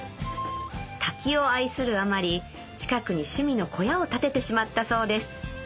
滝を愛するあまり近くに趣味の小屋を建ててしまったそうです